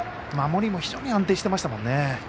守りも非常に安定していましたもんね。